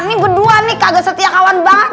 ini berdua nih kagak setia kawan banget